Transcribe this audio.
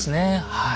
はい。